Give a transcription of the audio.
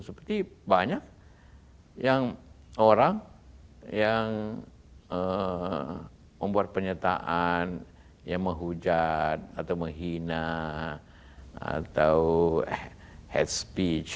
seperti banyak yang orang yang membuat pernyataan menghujat atau menghina atau hate speech